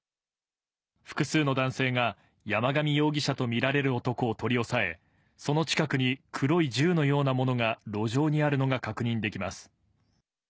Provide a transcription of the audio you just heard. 複数の男性が山上容疑者と見られる男を取り押さえ、その近くに黒い銃のようなものが路上にあるのが確認できます。